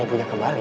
ibu dia kembali